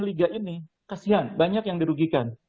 liga ini kasian banyak yang dirugikan